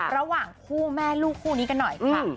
ระหว่างคู่แม่ลูกคู่นี้กันหน่อยค่ะ